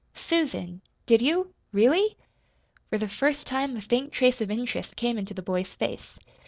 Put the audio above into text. "Susan, did you, really?" For the first time a faint trace of interest came into the boy's face.